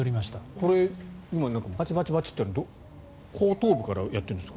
これパチパチっていうのは後頭部からやってるんですか？